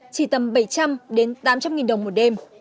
chỉ tầm bảy trăm linh tám trăm linh nghìn đồng một đêm